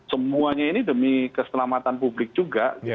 semuanya ini demi keselamatan publik juga